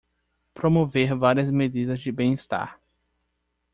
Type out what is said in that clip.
Promover várias medidas de bem-estar